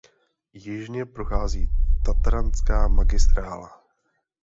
Jižně prochází tatranská magistrála.